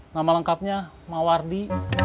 nama lengkapnya mawardi